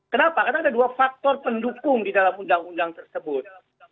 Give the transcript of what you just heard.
kenapa karena ada dua faktor pendukung di dalam undang undang tersebut